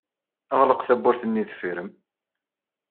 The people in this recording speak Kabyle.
Ɣleq tawwurt-nni deffir-m.